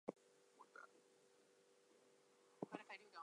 They were parents to the anatomist Daniel John Cunningham.